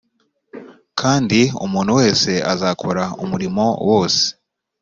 kandi umuntu wese azakora umurimo wose